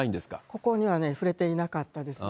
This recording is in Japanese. ここにはね、触れていなかったですね。